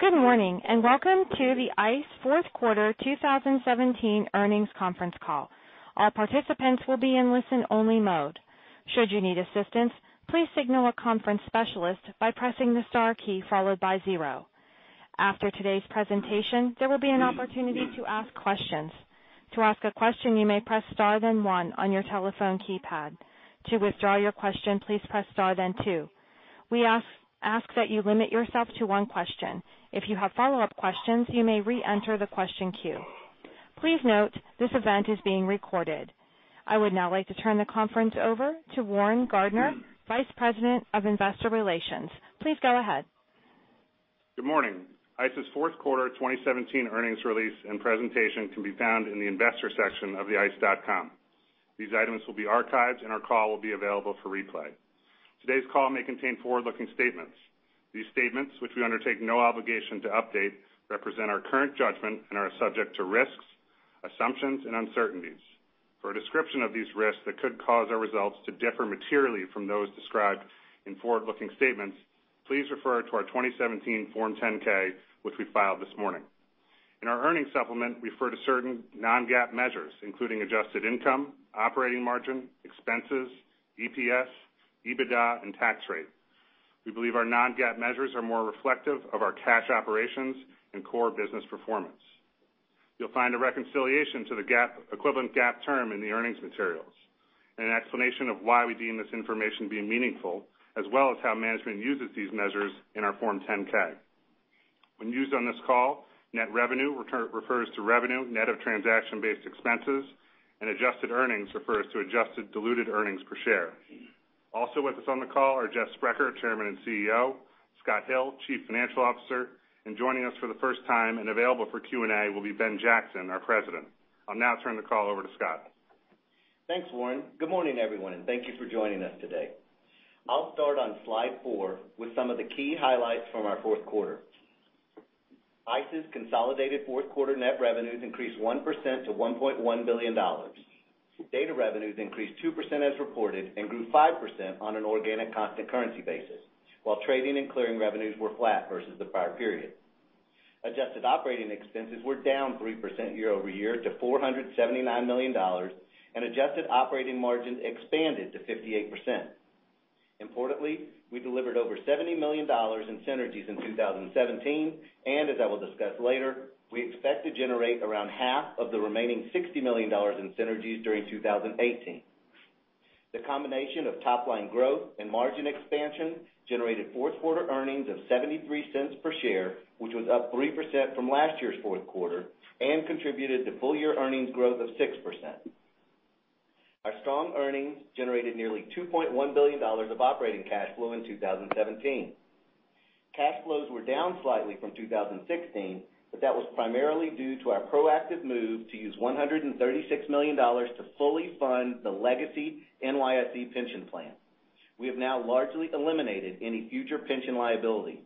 Good morning, welcome to the ICE fourth quarter 2017 earnings conference call. All participants will be in listen-only mode. Should you need assistance, please signal a conference specialist by pressing the star key followed by zero. After today's presentation, there will be an opportunity to ask questions. To ask a question, you may press star then one on your telephone keypad. To withdraw your question, please press star then two. We ask that you limit yourself to one question. If you have follow-up questions, you may re-enter the question queue. Please note, this event is being recorded. I would now like to turn the conference over to Warren Gardiner, Vice President of Investor Relations. Please go ahead. Good morning. ICE's fourth quarter 2017 earnings release and presentation can be found in the Investors section of the ice.com. These items will be archived and our call will be available for replay. Today's call may contain forward-looking statements. These statements, which we undertake no obligation to update, represent our current judgment and are subject to risks, assumptions, and uncertainties. For a description of these risks that could cause our results to differ materially from those described in forward-looking statements, please refer to our 2017 Form 10-K, which we filed this morning. In our earnings supplement, we refer to certain non-GAAP measures, including adjusted income, operating margin, expenses, EPS, EBITDA, and tax rate. We believe our non-GAAP measures are more reflective of our cash operations and core business performance. You'll find a reconciliation to the equivalent GAAP term in the earnings materials, an explanation of why we deem this information being meaningful, as well as how management uses these measures in our Form 10-K. When used on this call, net revenue refers to revenue net of transaction-based expenses, and adjusted earnings refers to adjusted diluted earnings per share. Also with us on the call are Jeff Sprecher, Chairman and CEO, Scott Hill, Chief Financial Officer, and joining us for the first time and available for Q&A will be Ben Jackson, our President. I'll now turn the call over to Scott. Thanks, Warren. Good morning, everyone, thank you for joining us today. I'll start on slide four with some of the key highlights from our fourth quarter. ICE's consolidated fourth quarter net revenues increased 1% to $1.1 billion. Data revenues increased 2% as reported and grew 5% on an organic constant currency basis, while trading and clearing revenues were flat versus the prior period. Adjusted operating expenses were down 3% year-over-year to $479 million, and adjusted operating margin expanded to 58%. Importantly, we delivered over $70 million in synergies in 2017, and as I will discuss later, we expect to generate around half of the remaining $60 million in synergies during 2018. The combination of top-line growth and margin expansion generated fourth quarter earnings of $0.73 per share, which was up 3% from last year's fourth quarter and contributed to full-year earnings growth of 6%. Our strong earnings generated nearly $2.1 billion of operating cash flow in 2017. Cash flows were down slightly from 2016. That was primarily due to our proactive move to use $136 million to fully fund the legacy NYSE pension plan. We have now largely eliminated any future pension liability.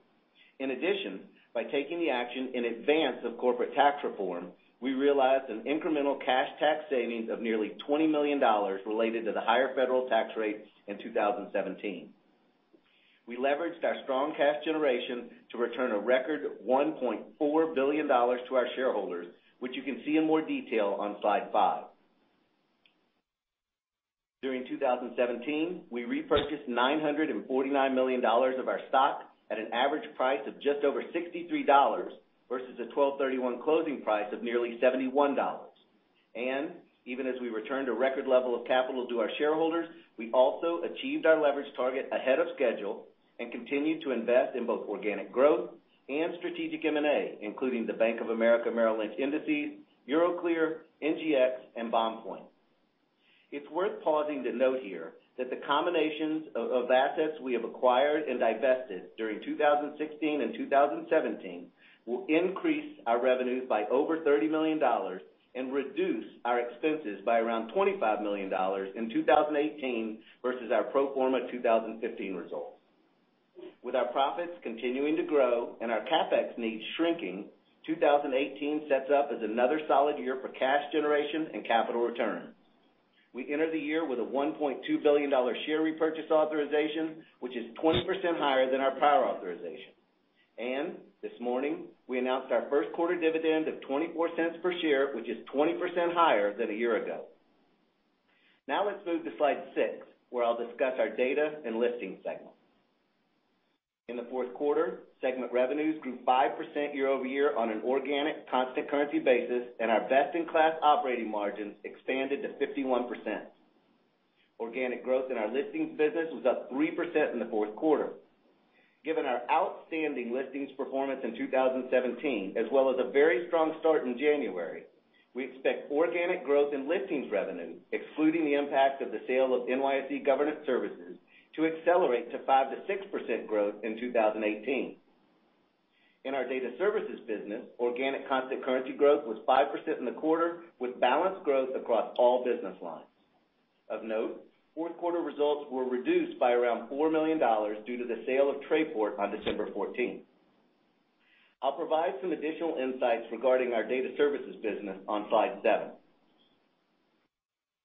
In addition, by taking the action in advance of corporate tax reform, we realized an incremental cash tax savings of nearly $20 million related to the higher federal tax rate in 2017. We leveraged our strong cash generation to return a record $1.4 billion to our shareholders, which you can see in more detail on slide five. During 2017, we repurchased $949 million of our stock at an average price of just over $63 versus a 12/31/2017 closing price of nearly $71. Even as we returned a record level of capital to our shareholders, we also achieved our leverage target ahead of schedule and continued to invest in both organic growth and strategic M&A, including the Bank of America Merrill Lynch indices, Euroclear, NGX, and BondPoint. It's worth pausing to note here that the combinations of assets we have acquired and divested during 2016 and 2017 will increase our revenues by over $30 million and reduce our expenses by around $25 million in 2018 versus our pro forma 2015 results. With our profits continuing to grow and our CapEx needs shrinking, 2018 sets up as another solid year for cash generation and capital returns. We enter the year with a $1.2 billion share repurchase authorization, which is 20% higher than our prior authorization. This morning, we announced our first quarter dividend of $0.24 per share, which is 20% higher than a year ago. Let's move to slide six, where I'll discuss our data and listings segment. In the fourth quarter, segment revenues grew 5% year-over-year on an organic constant currency basis, and our best-in-class operating margins expanded to 51%. Organic growth in our listings business was up 3% in the fourth quarter. Given our outstanding listings performance in 2017, as well as a very strong start in January, we expect organic growth in listings revenue, excluding the impact of the sale of NYSE Governance Services, to accelerate to 5%-6% growth in 2018. In our data services business, organic constant currency growth was 5% in the quarter, with balanced growth across all business lines. Of note, fourth quarter results were reduced by around $4 million due to the sale of Trayport on December 14th. I'll provide some additional insights regarding our data services business on slide seven.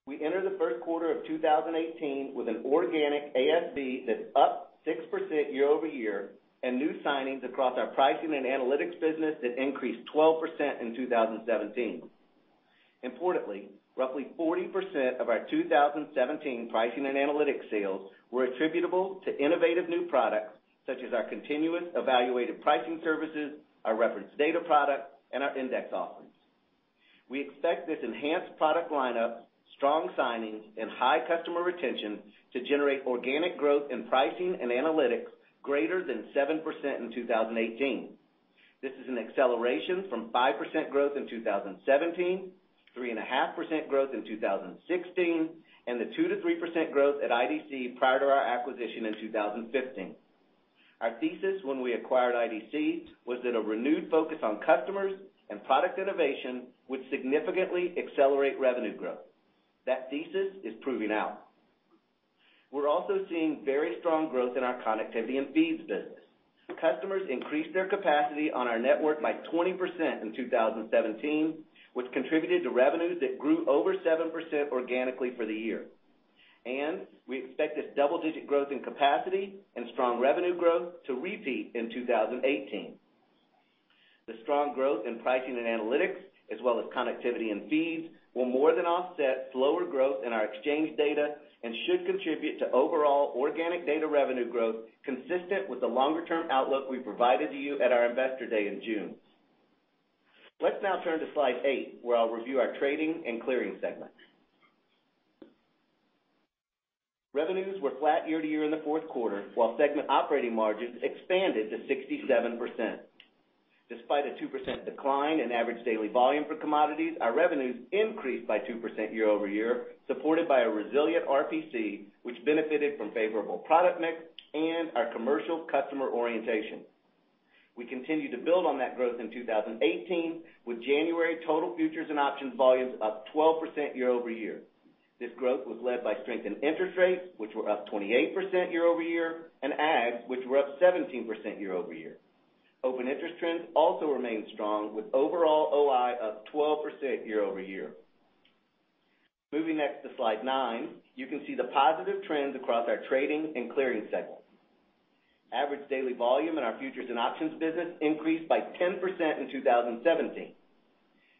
We enter the first quarter of 2018 with an organic ASV that's up 6% year-over-year, and new signings across our pricing and analytics business that increased 12% in 2017. Importantly, roughly 40% of our 2017 pricing and analytics sales were attributable to innovative new products, such as our Continuous Evaluated Pricing services, our reference data product, and our index offerings. We expect this enhanced product lineup, strong signings, and high customer retention to generate organic growth in pricing and analytics greater than 7% in 2018. This is an acceleration from 5% growth in 2017, 3.5% growth in 2016, and the 2%-3% growth at IDC prior to our acquisition in 2015. Our thesis when we acquired IDC was that a renewed focus on customers and product innovation would significantly accelerate revenue growth. That thesis is proving out. We're also seeing very strong growth in our connectivity and feeds business. Customers increased their capacity on our network by 20% in 2017, which contributed to revenues that grew over 7% organically for the year. We expect this double-digit growth in capacity and strong revenue growth to repeat in 2018. The strong growth in pricing and analytics, as well as connectivity and feeds, will more than offset slower growth in our exchange data and should contribute to overall organic data revenue growth consistent with the longer-term outlook we provided to you at our Investor Day in June. Let's now turn to slide eight, where I'll review our trading and clearing segment. Revenues were flat year-to-year in the fourth quarter, while segment operating margins expanded to 67%. Despite a 2% decline in average daily volume for commodities, our revenues increased by 2% year-over-year, supported by a resilient RPC, which benefited from favorable product mix and our commercial customer orientation. We continue to build on that growth in 2018, with January total futures and options volumes up 12% year-over-year. This growth was led by strength in interest rates, which were up 28% year-over-year, and ag, which were up 17% year-over-year. Open interest trends also remain strong, with overall OI up 12% year-over-year. Moving next to slide nine, you can see the positive trends across our trading and clearing segment. Average daily volume in our futures and options business increased by 10% in 2017,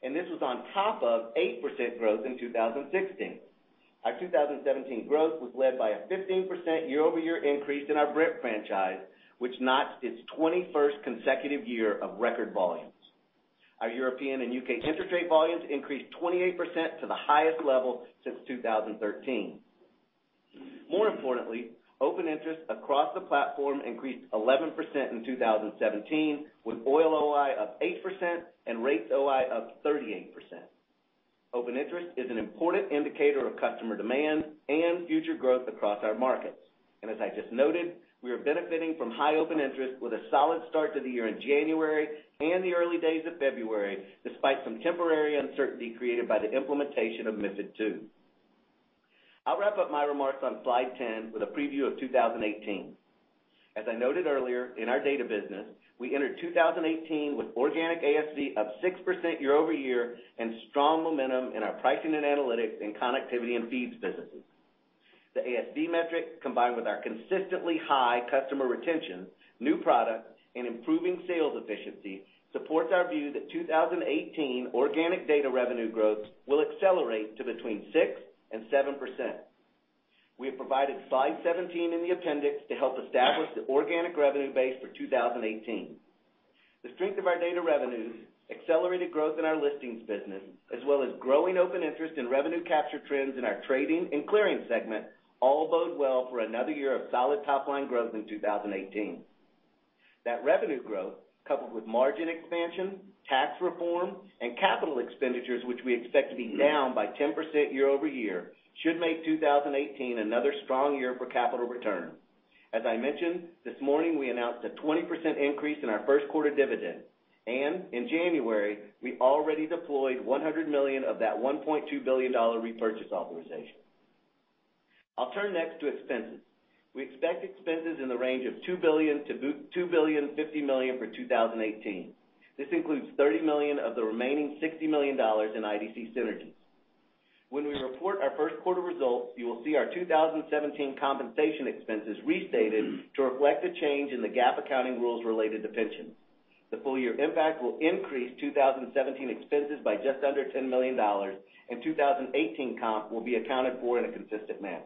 and this was on top of 8% growth in 2016. Our 2017 growth was led by a 15% year-over-year increase in our Brent franchise, which notched its 21st consecutive year of record volumes. Our European and U.K. interest rate volumes increased 28% to the highest level since 2013. More importantly, open interest across the platform increased 11% in 2017, with oil OI up 8% and rates OI up 38%. Open interest is an important indicator of customer demand and future growth across our markets. As I just noted, we are benefiting from high open interest with a solid start to the year in January and the early days of February, despite some temporary uncertainty created by the implementation of MiFID II. I'll wrap up my remarks on slide 10 with a preview of 2018. As I noted earlier, in our data business, we entered 2018 with organic ASV up 6% year-over-year and strong momentum in our pricing and analytics and connectivity and feeds businesses. The ASV metric, combined with our consistently high customer retention, new products, and improving sales efficiency, supports our view that 2018 organic data revenue growth will accelerate to between 6% and 7%. We have provided slide 17 in the appendix to help establish the organic revenue base for 2018. The strength of our data revenues, accelerated growth in our listings business, as well as growing open interest in revenue capture trends in our trading and clearing segment all bode well for another year of solid top-line growth in 2018. That revenue growth, coupled with margin expansion, tax reform, and capital expenditures, which we expect to be down by 10% year-over-year, should make 2018 another strong year for capital returns. As I mentioned, this morning we announced a 20% increase in our first quarter dividend. In January, we already deployed $100 million of that $1.2 billion repurchase authorization. I'll turn next to expenses. We expect expenses in the range of $2 billion-$2.5 billion for 2018. This includes $30 million of the remaining $60 million in IDC synergies. When we report our first quarter results, you will see our 2017 compensation expenses restated to reflect the change in the GAAP accounting rules related to pensions. The full year impact will increase 2017 expenses by just under $10 million, and 2018 comp will be accounted for in a consistent manner.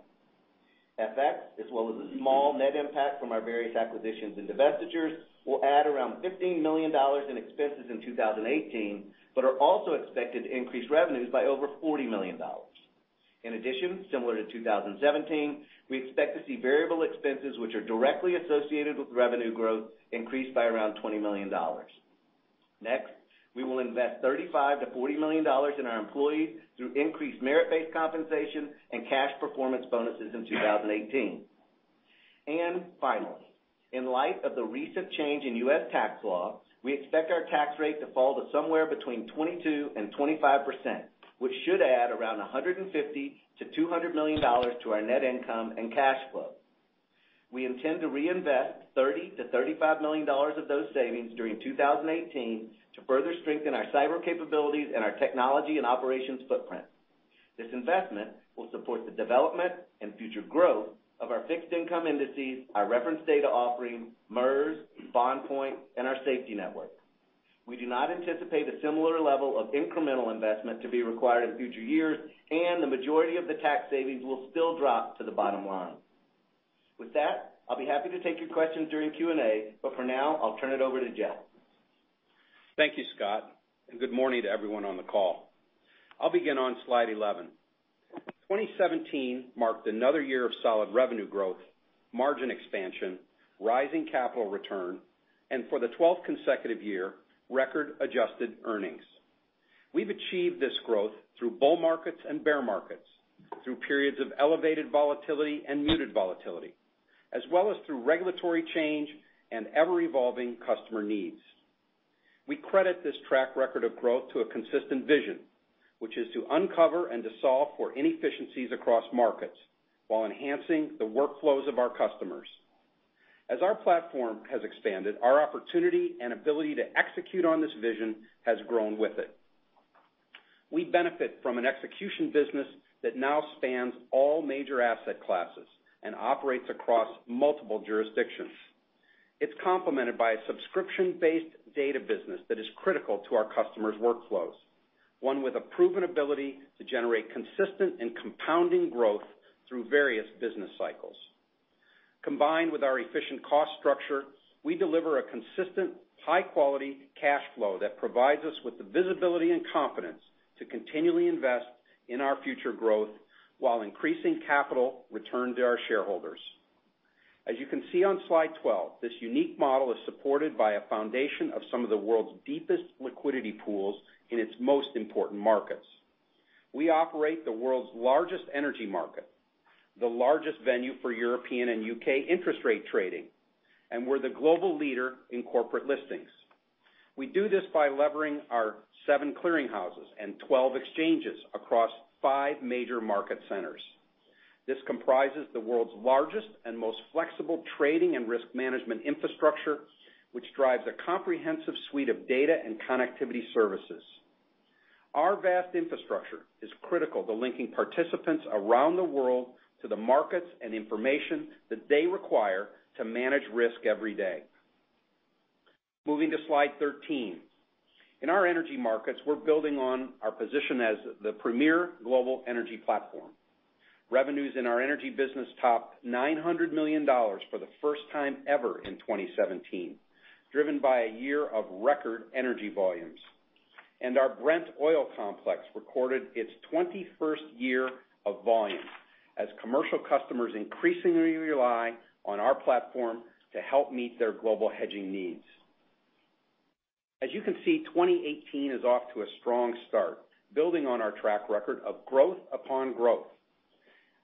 FX, as well as a small net impact from our various acquisitions and divestitures, will add around $15 million in expenses in 2018, but are also expected to increase revenues by over $40 million. In addition, similar to 2017, we expect to see variable expenses, which are directly associated with revenue growth, increase by around $20 million. We will invest $35 million-$40 million in our employees through increased merit-based compensation and cash performance bonuses in 2018. Finally, in light of the recent change in U.S. tax law, we expect our tax rate to fall to somewhere between 22%-25%, which should add around $150 million-$200 million to our net income and cash flow. We intend to reinvest $30 million-$35 million of those savings during 2018 to further strengthen our cyber capabilities and our technology and operations footprint. This investment will support the development and future growth of our fixed income indices, our reference data offering, MERS, BondPoint, and our safety network. We do not anticipate a similar level of incremental investment to be required in future years, and the majority of the tax savings will still drop to the bottom line. With that, I'll be happy to take your questions during Q&A, but for now, I'll turn it over to Jeff. Thank you, Scott, and good morning to everyone on the call. I'll begin on slide 11. 2017 marked another year of solid revenue growth, margin expansion, rising capital return, and for the 12th consecutive year, record adjusted earnings. We've achieved this growth through bull markets and bear markets, through periods of elevated volatility and muted volatility, as well as through regulatory change and ever-evolving customer needs. We credit this track record of growth to a consistent vision, which is to uncover and to solve for inefficiencies across markets while enhancing the workflows of our customers. As our platform has expanded, our opportunity and ability to execute on this vision has grown with it. We benefit from an execution business that now spans all major asset classes and operates across multiple jurisdictions. It's complemented by a subscription-based data business that is critical to our customers' workflows, one with a proven ability to generate consistent and compounding growth through various business cycles. Combined with our efficient cost structure, we deliver a consistent high-quality cash flow that provides us with the visibility and confidence to continually invest in our future growth while increasing capital return to our shareholders. As you can see on slide 12, this unique model is supported by a foundation of some of the world's deepest liquidity pools in its most important markets. We operate the world's largest energy market, the largest venue for European and U.K. interest rate trading, and we're the global leader in corporate listings. We do this by levering our seven clearing houses and 12 exchanges across five major market centers. This comprises the world's largest and most flexible trading and risk management infrastructure, which drives a comprehensive suite of data and connectivity services. Our vast infrastructure is critical to linking participants around the world to the markets and information that they require to manage risk every day. Moving to slide 13. In our energy markets, we're building on our position as the premier global energy platform. Revenues in our energy business topped $900 million for the first time ever in 2017, driven by a year of record energy volumes. Our Brent Oil complex recorded its 21st year of volume as commercial customers increasingly rely on our platform to help meet their global hedging needs. As you can see, 2018 is off to a strong start, building on our track record of growth upon growth.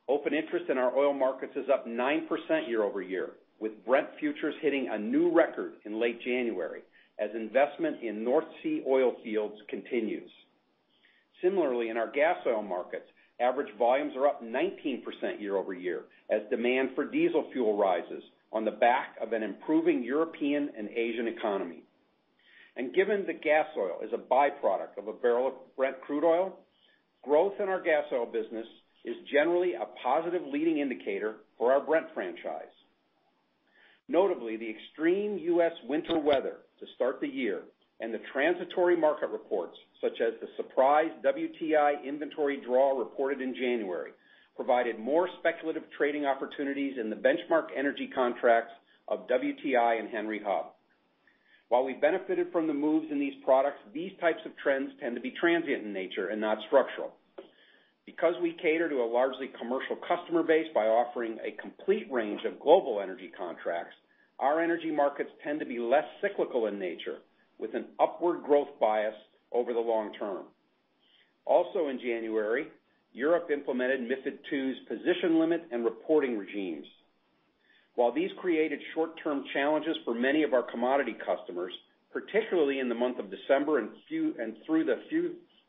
Open interest in our oil markets is up 9% year-over-year, with Brent futures hitting a new record in late January as investment in North Sea oil fields continues. Similarly, in our gas oil markets, average volumes are up 19% year-over-year as demand for diesel fuel rises on the back of an improving European and Asian economy. Given that gas oil is a byproduct of a barrel of Brent crude oil, growth in our gas oil business is generally a positive leading indicator for our Brent franchise. Notably, the extreme U.S. winter weather to start the year and the transitory market reports, such as the surprise WTI inventory draw reported in January, provided more speculative trading opportunities in the benchmark energy contracts of WTI and Henry Hub. While we benefited from the moves in these products, these types of trends tend to be transient in nature and not structural. Because we cater to a largely commercial customer base by offering a complete range of global energy contracts, our energy markets tend to be less cyclical in nature, with an upward growth bias over the long term. Also in January, Europe implemented MiFID II's position limit and reporting regimes. While these created short-term challenges for many of our commodity customers, particularly in the month of December and through the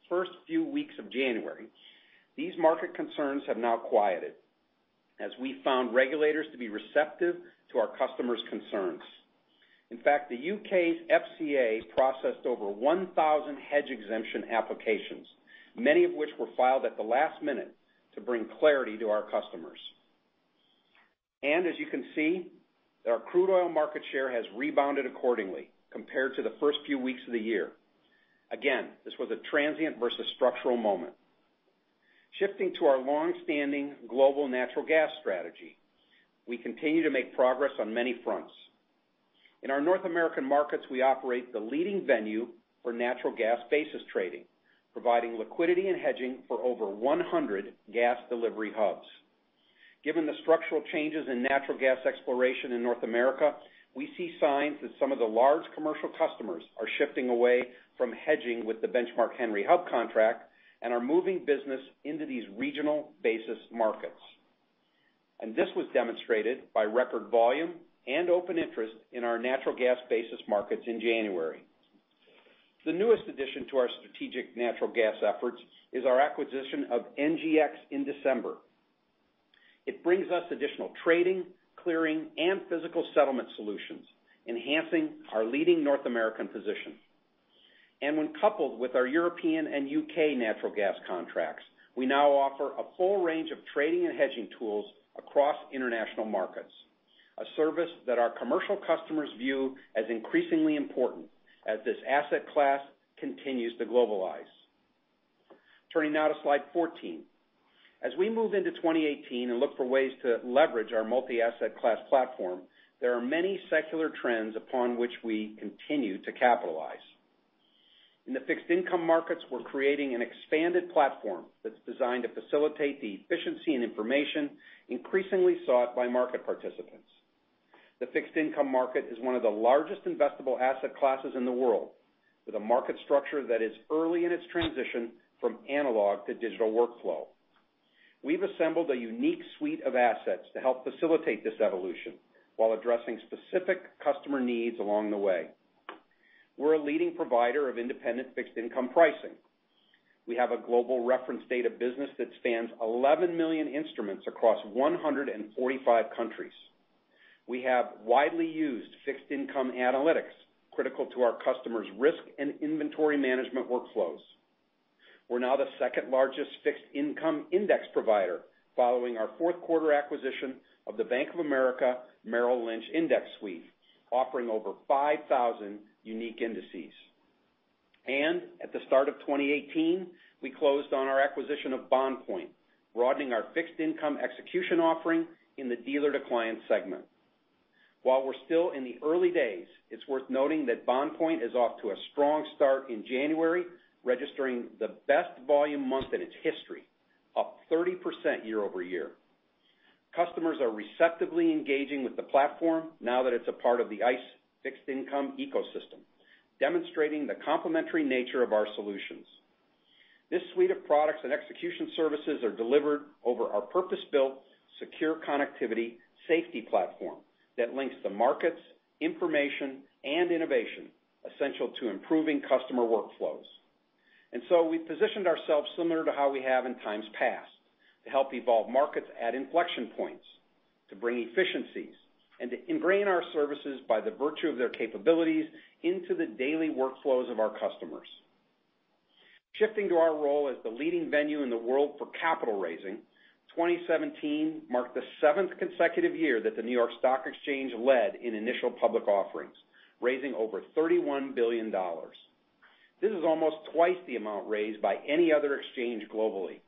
first few weeks of January, these market concerns have now quieted as we found regulators to be receptive to our customers' concerns. In fact, the U.K.'s FCA processed over 1,000 hedge exemption applications, many of which were filed at the last minute to bring clarity to our customers. As you can see, their crude oil market share has rebounded accordingly compared to the first few weeks of the year. Again, this was a transient versus structural moment. Shifting to our longstanding global natural gas strategy, we continue to make progress on many fronts. In our North American markets, we operate the leading venue for natural gas basis trading, providing liquidity and hedging for over 100 gas delivery hubs. Given the structural changes in natural gas exploration in North America, we see signs that some of the large commercial customers are shifting away from hedging with the benchmark Henry Hub contract and are moving business into these regional basis markets. This was demonstrated by record volume and open interest in our natural gas basis markets in January. The newest addition to our strategic natural gas efforts is our acquisition of NGX in December. It brings us additional trading, clearing, and physical settlement solutions, enhancing our leading North American position. When coupled with our European and U.K. natural gas contracts, we now offer a full range of trading and hedging tools across international markets, a service that our commercial customers view as increasingly important as this asset class continues to globalize. Turning now to slide 14. As we move into 2018 and look for ways to leverage our multi-asset class platform, there are many secular trends upon which we continue to capitalize. In the fixed income markets, we're creating an expanded platform that's designed to facilitate the efficiency and information increasingly sought by market participants. The fixed income market is one of the largest investable asset classes in the world, with a market structure that is early in its transition from analog to digital workflow. We've assembled a unique suite of assets to help facilitate this evolution, while addressing specific customer needs along the way. We're a leading provider of independent fixed income pricing. We have a global reference data business that spans 11 million instruments across 145 countries. We have widely used fixed income analytics, critical to our customers' risk and inventory management workflows. We're now the second-largest fixed income index provider, following our fourth quarter acquisition of the Bank of America Merrill Lynch index suite, offering over 5,000 unique indices. At the start of 2018, we closed on our acquisition of BondPoint, broadening our fixed income execution offering in the dealer-to-client segment. While we're still in the early days, it's worth noting that BondPoint is off to a strong start in January, registering the best volume month in its history, up 30% year-over-year. Customers are receptively engaging with the platform now that it's a part of the ICE fixed income ecosystem, demonstrating the complementary nature of our solutions. This suite of products and execution services are delivered over our purpose-built, secure connectivity Safety Platform that links the markets, information, and innovation essential to improving customer workflows. We've positioned ourselves similar to how we have in times past, to help evolve markets at inflection points, to bring efficiencies, and to ingrain our services by the virtue of their capabilities into the daily workflows of our customers. Shifting to our role as the leading venue in the world for capital raising, 2017 marked the seventh consecutive year that the New York Stock Exchange led in initial public offerings, raising over $31 billion. This is almost twice the amount raised by any other exchange globally.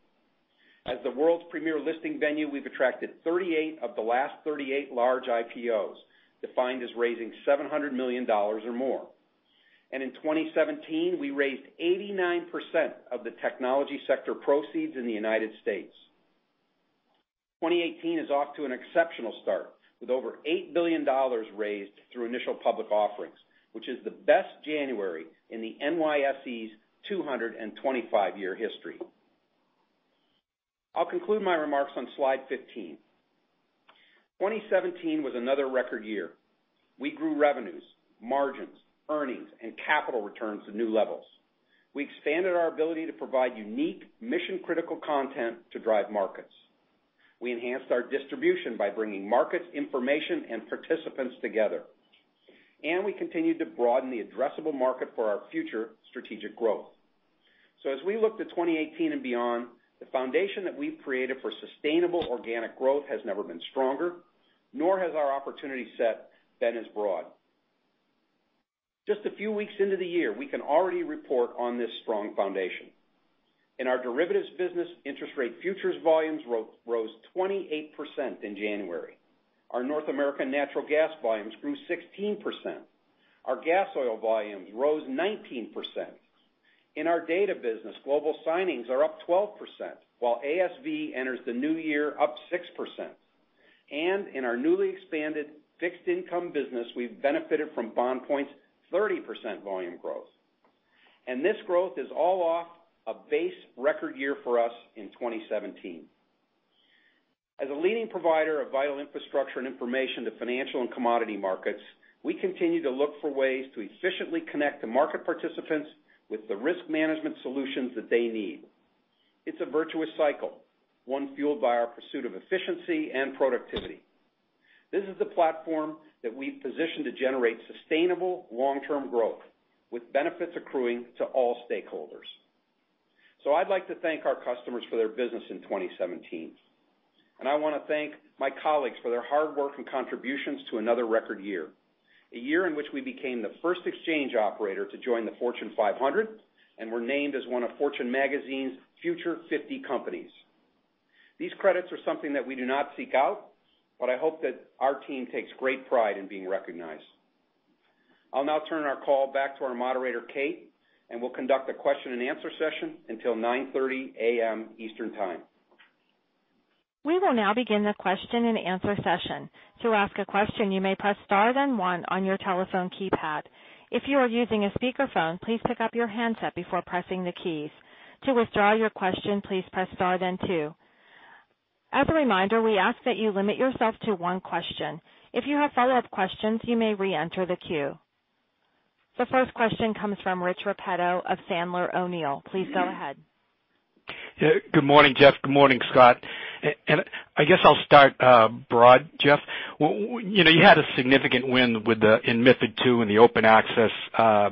As the world's premier listing venue, we've attracted 38 of the last 38 large IPOs, defined as raising $700 million or more. In 2017, we raised 89% of the technology sector proceeds in the U.S. 2018 is off to an exceptional start, with over $8 billion raised through initial public offerings, which is the best January in the NYSE's 225-year history. I'll conclude my remarks on slide 15. 2017 was another record year. We grew revenues, margins, earnings, and capital returns to new levels. We expanded our ability to provide unique mission-critical content to drive markets. We enhanced our distribution by bringing markets, information, and participants together. We continued to broaden the addressable market for our future strategic growth. As we look to 2018 and beyond, the foundation that we've created for sustainable organic growth has never been stronger, nor has our opportunity set been as broad. Just a few weeks into the year, we can already report on this strong foundation. In our derivatives business, interest rate futures volumes rose 28% in January. Our North American natural gas volumes grew 16%. Our gas oil volumes rose 19%. In our data business, global signings are up 12%, while ASV enters the new year up 6%. In our newly expanded fixed income business, we've benefited from BondPoint's 30% volume growth. This growth is all off a base record year for us in 2017. As a leading provider of vital infrastructure and information to financial and commodity markets, we continue to look for ways to efficiently connect the market participants with the risk management solutions that they need. It's a virtuous cycle, one fueled by our pursuit of efficiency and productivity. This is the platform that we've positioned to generate sustainable long-term growth, with benefits accruing to all stakeholders. I'd like to thank our customers for their business in 2017. I want to thank my colleagues for their hard work and contributions to another record year, a year in which we became the first exchange operator to join the Fortune 500 and were named as one of Fortune Magazine's Future 50 companies. These credits are something that we do not seek out, but I hope that our team takes great pride in being recognized. I'll now turn our call back to our moderator, Kate, and we'll conduct a question and answer session until 9:30 A.M. Eastern Time. We will now begin the question and answer session. To ask a question, you may press star then one on your telephone keypad. If you are using a speakerphone, please pick up your handset before pressing the keys. To withdraw your question, please press star then two. As a reminder, we ask that you limit yourself to one question. If you have follow-up questions, you may reenter the queue. The first question comes from Rich Repetto of Sandler O'Neill. Please go ahead. Good morning, Jeff. Good morning, Scott. I guess I'll start broad, Jeff. You had a significant win in MiFID II, in the Open Access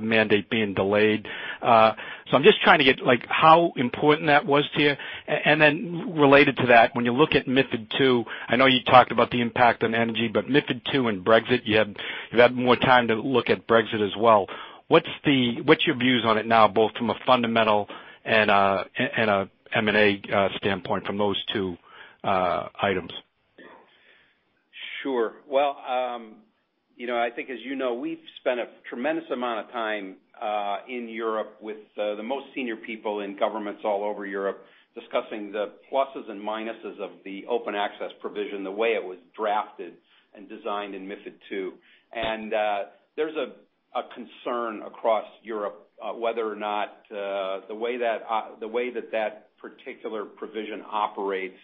mandate being delayed. I'm just trying to get how important that was to you, and then related to that, when you look at MiFID II, I know you talked about the impact on energy, but MiFID II and Brexit, you've had more time to look at Brexit as well. What's your views on it now, both from a fundamental and a M&A standpoint from those two items? Sure. Well, I think as you know, we've spent a tremendous amount of time in Europe with the most senior people in governments all over Europe discussing the pluses and minuses of the Open Access provision, the way it was drafted and designed in MiFID II. There's a concern across Europe whether or not the way that that particular provision operates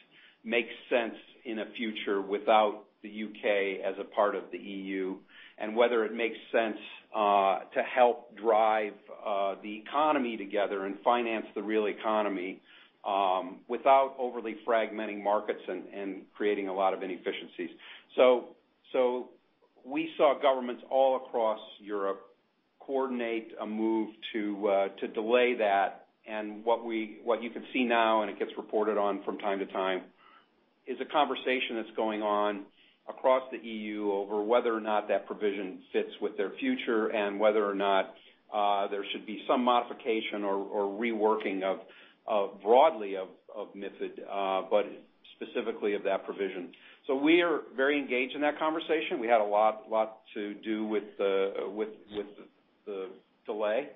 makes sense in a future without the U.K. as a part of the EU, and whether it makes sense to help drive the economy together and finance the real economy without overly fragmenting markets and creating a lot of inefficiencies. We saw governments all across Europe coordinate a move to delay that, and what you can see now, and it gets reported on from time to time, is a conversation that's going on across the EU over whether or not that provision fits with their future and whether or not there should be some modification or reworking broadly of MiFID, but specifically of that provision. We are very engaged in that conversation. We had a lot to do with the delay.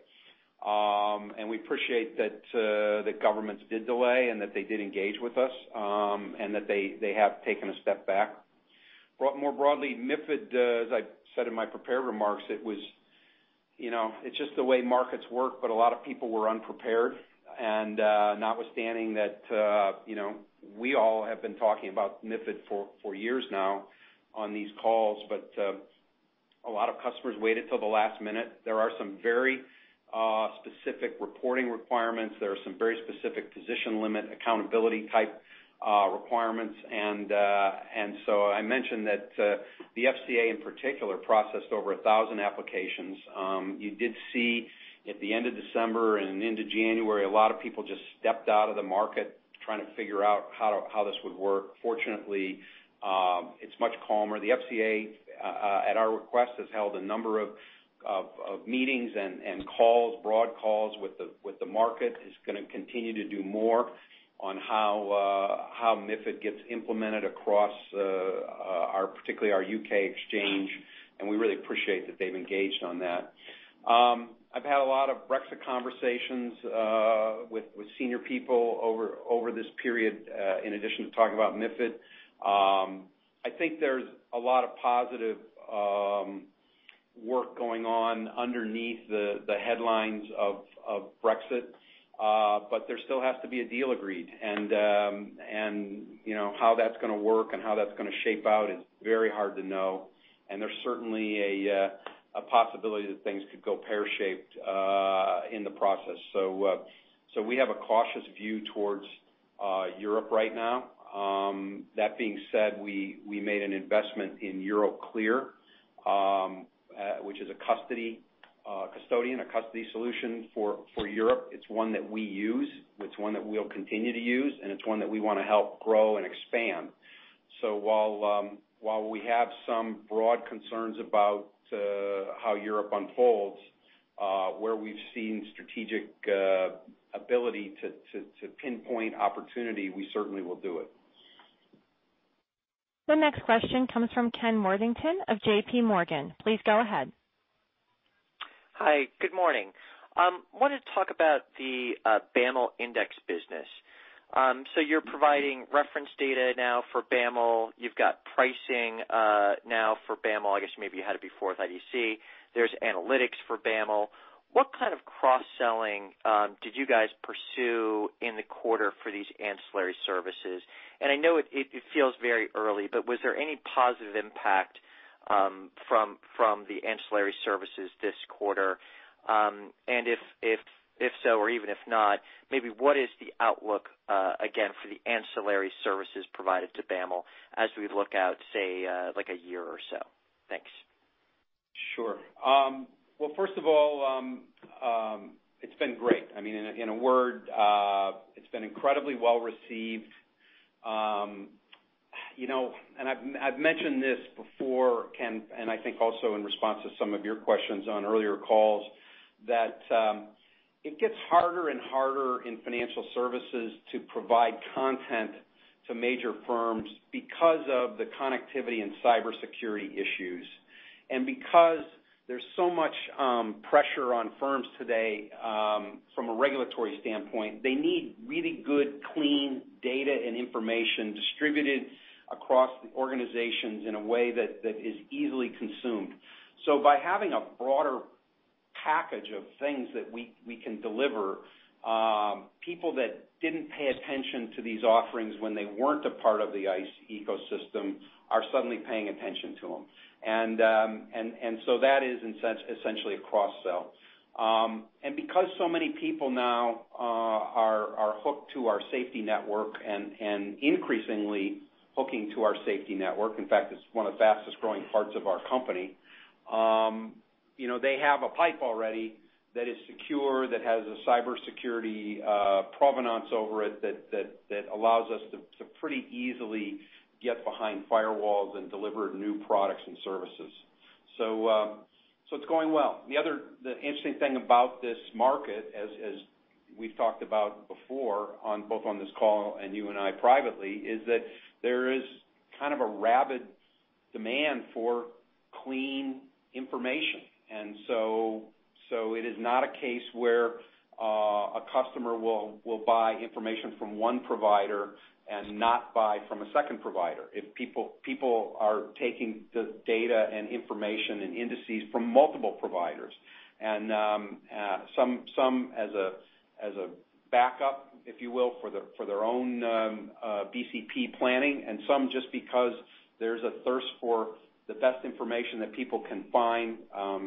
We appreciate that governments did delay and that they did engage with us, and that they have taken a step back. More broadly, MiFID, as I said in my prepared remarks, it's just the way markets work, but a lot of people were unprepared. Notwithstanding that we all have been talking about MiFID for years now on these calls, but a lot of customers waited till the last minute. There are some very specific reporting requirements. There are some very specific position limit accountability type requirements. I mentioned that the FCA in particular processed over 1,000 applications. You did see at the end of December and into January, a lot of people just stepped out of the market trying to figure out how this would work. Fortunately, it's much calmer. The FCA, at our request, has held a number of meetings and calls, broad calls with the market. It's going to continue to do more on how MiFID gets implemented across particularly our U.K. exchange, and we really appreciate that they've engaged on that. I've had a lot of Brexit conversations with senior people over this period, in addition to talking about MiFID. I think there's a lot of positive work going on underneath the headlines of Brexit. There still has to be a deal agreed, and how that's going to work and how that's going to shape out is very hard to know, and there's certainly a possibility that things could go pear-shaped in the process. We have a cautious view towards Europe right now. That being said, we made an investment in Euroclear, which is a custodian, a custody solution for Europe. It's one that we use, it's one that we'll continue to use, and it's one that we want to help grow and expand. While we have some broad concerns about how Europe unfolds, where we've seen strategic ability to pinpoint opportunity, we certainly will do it. The next question comes from Ken Worthington of JPMorgan. Please go ahead. Hi, good morning. I wanted to talk about the BAML index business. You're providing reference data now for BAML. You've got pricing now for BAML. I guess maybe you had it before with IDC. There's analytics for BAML. What kind of cross-selling did you guys pursue in the quarter for these ancillary services? I know it feels very early, but was there any positive impact from the ancillary services this quarter? If so, or even if not, maybe what is the outlook again for the ancillary services provided to BAML as we look out, say, like a year or so? Thanks. Sure. Well, first of all, it's been great. In a word, it's been incredibly well-received. I've mentioned this before, Ken, and I think also in response to some of your questions on earlier calls, that it gets harder and harder in financial services to provide content to major firms because of the connectivity and cybersecurity issues. Because there's so much pressure on firms today from a regulatory standpoint, they need really good, clean data and information distributed across the organizations in a way that is easily consumed. By having a broader package of things that we can deliver. People that didn't pay attention to these offerings when they weren't a part of the ICE ecosystem are suddenly paying attention to them. That is essentially a cross-sell. Because so many people now are hooked to our SFTI network and increasingly hooking to our SFTI network, in fact, it's one of the fastest-growing parts of our company. They have a pipe already that is secure, that has a cybersecurity provenance over it that allows us to pretty easily get behind firewalls and deliver new products and services. It's going well. The interesting thing about this market, as we've talked about before, both on this call and you and I privately, is that there is kind of a rabid demand for clean information. It is not a case where a customer will buy information from one provider and not buy from a second provider. People are taking the data and information and indices from multiple providers, and some as a backup, if you will, for their own BCP planning, and some just because there's a thirst for the best information that people can find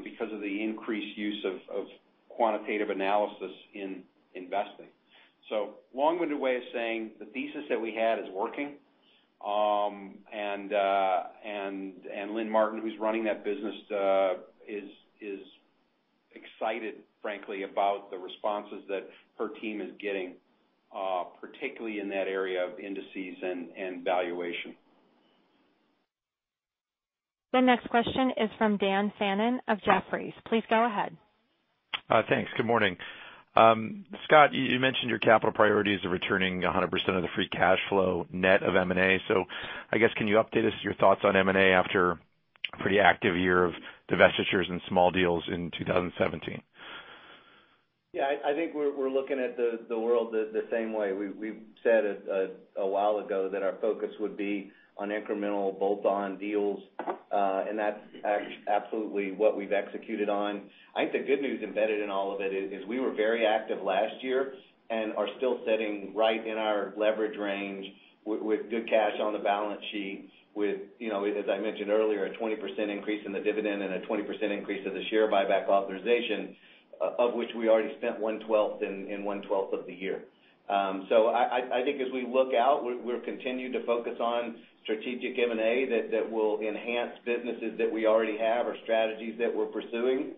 because of the increased use of quantitative analysis in investing. Long-winded way of saying the thesis that we had is working. Lynn Martin, who's running that business is excited, frankly, about the responses that her team is getting, particularly in that area of indices and valuation. The next question is from Dan Fannon of Jefferies. Please go ahead. Thanks. Good morning. Scott, you mentioned your capital priorities are returning 100% of the free cash flow net of M&A. I guess, can you update us your thoughts on M&A after a pretty active year of divestitures and small deals in 2017? Yeah, I think we're looking at the world the same way. We've said a while ago that our focus would be on incremental bolt-on deals, and that's absolutely what we've executed on. I think the good news embedded in all of it is we were very active last year and are still sitting right in our leverage range with good cash on the balance sheet with, as I mentioned earlier, a 20% increase in the dividend and a 20% increase of the share buyback authorization, of which we already spent one twelfth in one twelfth of the year. I think as we look out, we'll continue to focus on strategic M&A that will enhance businesses that we already have or strategies that we're pursuing.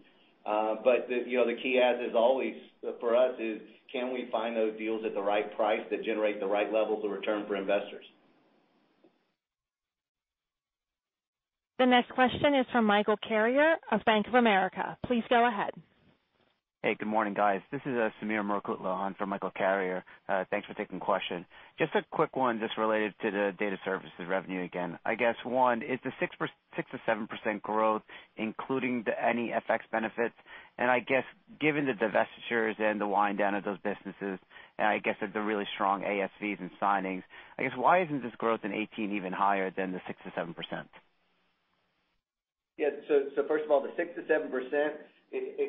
The key as is always for us is can we find those deals at the right price that generate the right levels of return for investors? The next question is from Michael Carrier of Bank of America. Please go ahead. Hey, good morning, guys. This is Samir Mekontilan from Michael Carrier. Thanks for taking question. Just a quick one, just related to the data services revenue again. I guess one, is the 6%-7% growth including any FX benefits? And I guess given the divestitures and the wind down of those businesses, and I guess that the really strong ASVs and signings, I guess why isn't this growth in 2018 even higher than the 6%-7%? First of all, the 6%-7%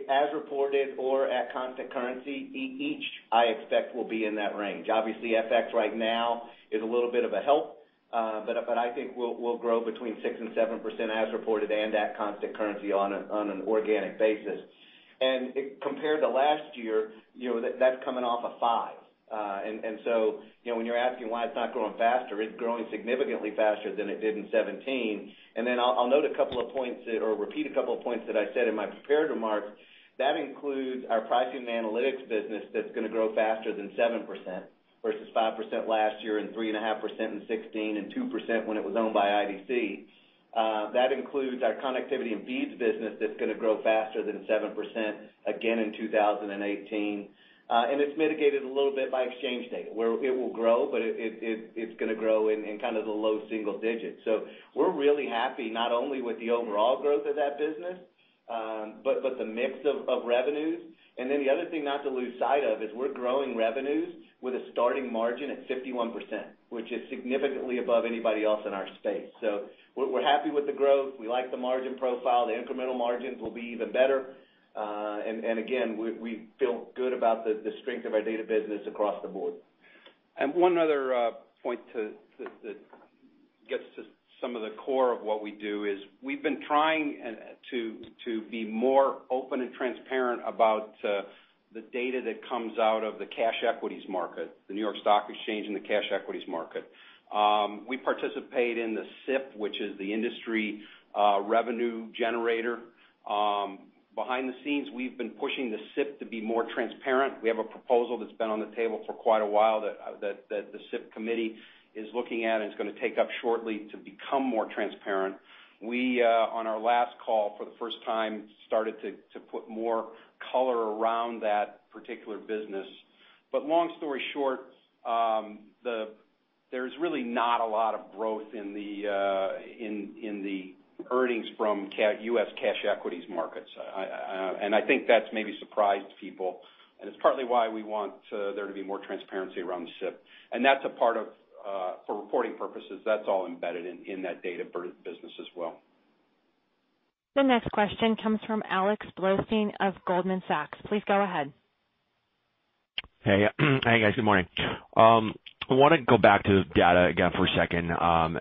as reported or at constant currency, each I expect will be in that range. Obviously, FX right now is a little bit of a help, but I think we'll grow between 6% and 7% as reported and at constant currency on an organic basis. Compared to last year, that's coming off a 5. When you're asking why it's not growing faster, it's growing significantly faster than it did in 2017. Then I'll note a couple of points or repeat a couple of points that I said in my prepared remarks. That includes our pricing analytics business that's going to grow faster than 7% versus 5% last year and 3.5% in 2016, and 2% when it was owned by IDC. That includes our connectivity and feeds business that's going to grow faster than 7% again in 2018. It's mitigated a little bit by exchange data, where it will grow, but it's going to grow in kind of the low single digits. We're really happy not only with the overall growth of that business, but the mix of revenues. The other thing not to lose sight of is we're growing revenues with a starting margin at 51%, which is significantly above anybody else in our space. We're happy with the growth. We like the margin profile. The incremental margins will be even better. Again, we feel good about the strength of our data business across the board. One other point that gets to some of the core of what we do is we've been trying to be more open and transparent about the data that comes out of the cash equities market, the New York Stock Exchange and the cash equities market. We participate in the SIP, which is the industry revenue generator. Behind the scenes, we've been pushing the SIP to be more transparent. We have a proposal that's been on the table for quite a while that the SIP committee is looking at and is going to take up shortly to become more transparent. We, on our last call for the first time, started to put more color around that particular business. Long story short, there's really not a lot of growth in the earnings from U.S. cash equities markets. I think that's maybe surprised people, and it's partly why we want there to be more transparency around the SIP. That's a part of, for reporting purposes, that's all embedded in that data business as well. The next question comes from Alex Blostein of Goldman Sachs. Please go ahead. Hey. Hi, guys. Good morning. I want to go back to data again for a second,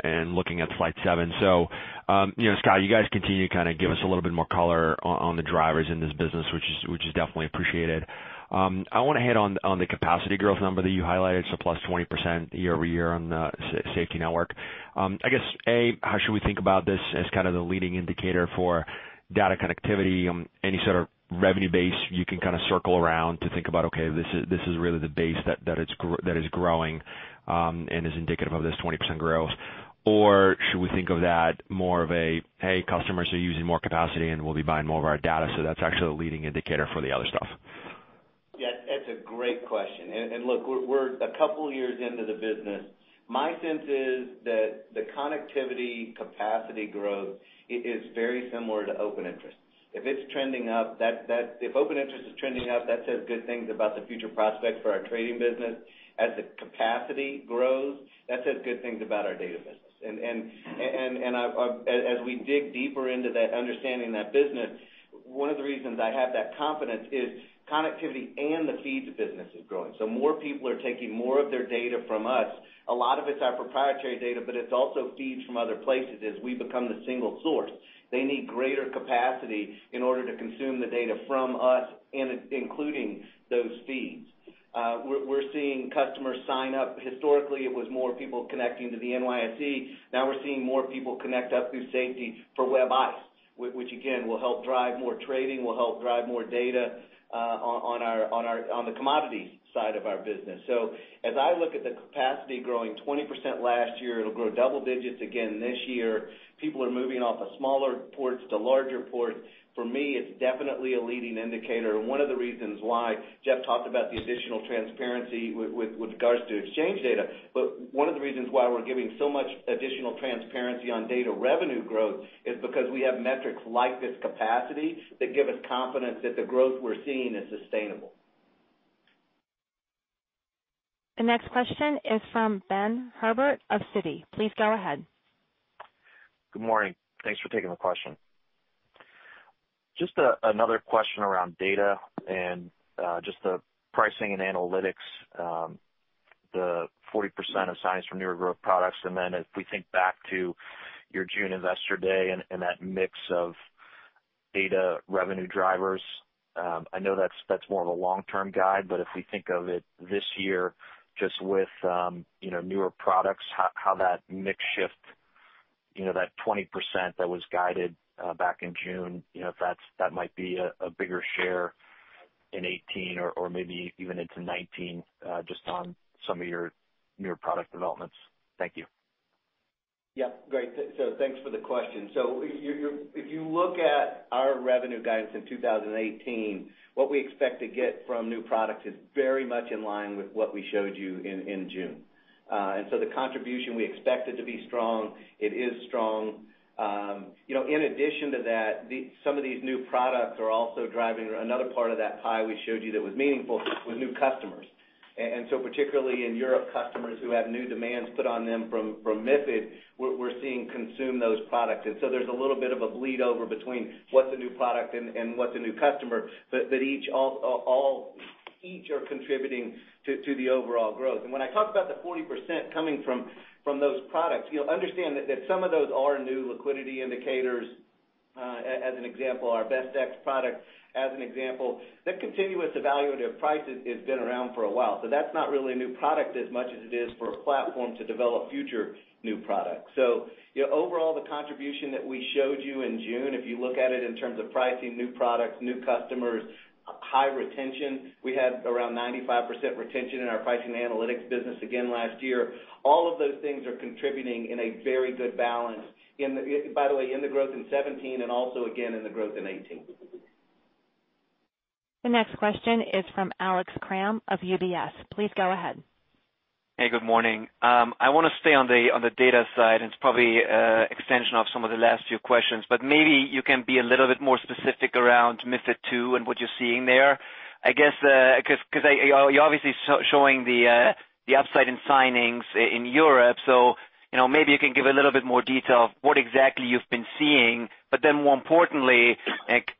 and looking at slide 7. Scott, you guys continue to give us a little bit more color on the drivers in this business, which is definitely appreciated. I want to hit on the capacity growth number that you highlighted. Plus 20% year-over-year on the ICE Global Network. I guess, A, how should we think about this as the leading indicator for data connectivity? Any sort of revenue base you can circle around to think about, okay, this is really the base that is growing, and is indicative of this 20% growth? Or should we think of that more of a, hey, customers are using more capacity, and we'll be buying more of our data, so that's actually a leading indicator for the other stuff? Yeah. That's a great question. Look, we're a couple of years into the business. My sense is that the connectivity capacity growth is very similar to open interest. If open interest is trending up, that says good things about the future prospects for our trading business. As the capacity grows, that says good things about our data business. As we dig deeper into that, understanding that business, one of the reasons I have that confidence is connectivity and the feeds business is growing. More people are taking more of their data from us. A lot of it's our proprietary data, but it's also feeds from other places as we become the single source. They need greater capacity in order to consume the data from us, and including those feeds. We're seeing customers sign up. Historically, it was more people connecting to the NYSE. Now we're seeing more people connect up through ICE Global Network for WebICE, which again, will help drive more trading, will help drive more data on the commodities side of our business. As I look at the capacity growing 20% last year, it'll grow double digits again this year. People are moving off of smaller ports to larger ports. For me, it's definitely a leading indicator and one of the reasons why Jeff talked about the additional transparency with regards to exchange data. One of the reasons why we're giving so much additional transparency on data revenue growth is because we have metrics like this capacity that give us confidence that the growth we're seeing is sustainable. The next question is from Ben Herbert of Citi. Please go ahead. Good morning. Thanks for taking the question. Just another question around data and just the pricing and analytics, the 40% of [science] from newer growth products. As we think back to your June investor day and that mix of data revenue drivers, I know that's more of a long-term guide, but if we think of it this year, just with newer products, how that mix shift, that 20% that was guided back in June, if that might be a bigger share in 2018 or maybe even into 2019, just on some of your newer product developments. Thank you. Yeah. Great. Thanks for the question. If you look at our revenue guidance in 2018, what we expect to get from new products is very much in line with what we showed you in June. The contribution, we expect it to be strong. It is strong. In addition to that, some of these new products are also driving another part of that pie we showed you that was meaningful with new customers. Particularly in Europe, customers who have new demands put on them from MiFID, we're seeing consume those products. There's a little bit of a bleed over between what's a new product and what's a new customer. That each are contributing to the overall growth. When I talk about the 40% coming from those products, understand that some of those are new liquidity indicators. As an example, our BestX product, as an example. The Continuous Evaluated Pricing has been around for a while. That's not really a new product as much as it is for a platform to develop future new products. Overall, the contribution that we showed you in June, if you look at it in terms of pricing, new products, new customers, high retention. We had around 95% retention in our pricing analytics business again last year. All of those things are contributing in a very good balance. By the way, in the growth in 2017, and also again in the growth in 2018. The next question is from Alex Kramm of UBS. Please go ahead. Hey, good morning. I want to stay on the data side, it's probably extension of some of the last few questions, but maybe you can be a little bit more specific around MiFID II and what you're seeing there. I guess, because you're obviously showing the upside in signings in Europe. Maybe you can give a little bit more detail of what exactly you've been seeing. More importantly,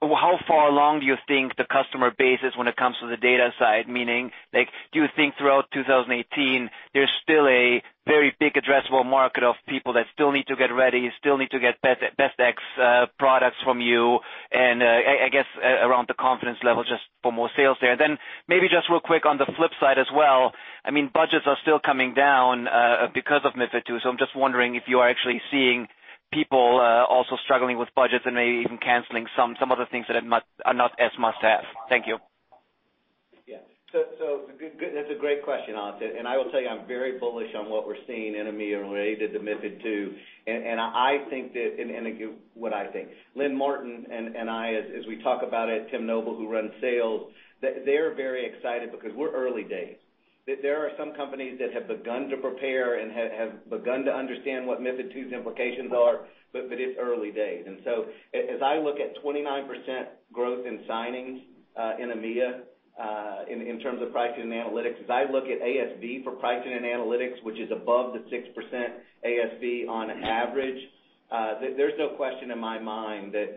how far along do you think the customer base is when it comes to the data side? Meaning, do you think throughout 2018, there's still a very big addressable market of people that still need to get ready, still need to get BestX products from you? I guess, around the confidence level, just for more sales there. Maybe just real quick on the flip side as well. Budgets are still coming down because of MiFID II. I'm just wondering if you are actually seeing people also struggling with budgets and maybe even canceling some of the things that are not as must-have. Thank you. Yeah. That's a great question, Alex. I will tell you, I'm very bullish on what we're seeing in EMEA related to MiFID II. I'll give you what I think. Lynn Martin and I, as we talk about it, Tim Noble, who runs sales, they're very excited because we're early days. There are some companies that have begun to prepare and have begun to understand what MiFID II's implications are, it's early days. As I look at 29% growth in signings, in EMEA, in terms of pricing and analytics, as I look at ASV for pricing and analytics, which is above the 6% ASV on average. There's no question in my mind that